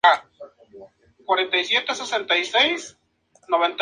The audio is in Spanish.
Fue trasladado al buque-prisión "Uruguay", donde quedó encarcelado.